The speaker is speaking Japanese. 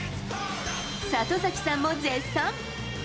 里崎さんも絶賛。